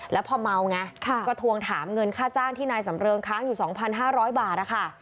แล้วพอเมาไงก็ทวงถามเงินค่าจ้างที่นายสำเริงค้างอยู่๒๕๐๐บาทนะคะ